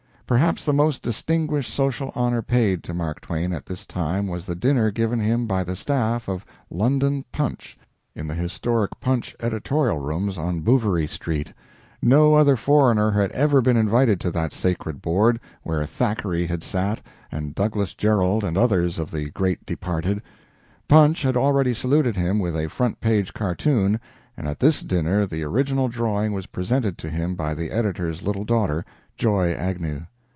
Perhaps the most distinguished social honor paid to Mark Twain at this time was the dinner given him by the staff of London "Punch," in the historic "Punch" editorial rooms on Bouverie Street. No other foreigner had ever been invited to that sacred board, where Thackeray had sat, and Douglas Jerrold and others of the great departed. "Punch" had already saluted him with a front page cartoon, and at this dinner the original drawing was presented to him by the editor's little daughter, Joy Agnew.